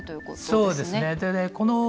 そうですね。